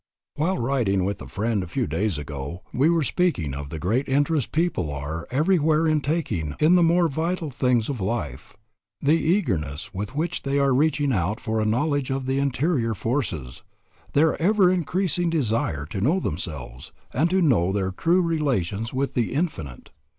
While riding with a friend a few days ago, we were speaking of the great interest people are everywhere taking in the more vital things of life, the eagerness with which they are reaching out for a knowledge of the interior forces, their ever increasing desire to know themselves and to know their true relations with the Infinite.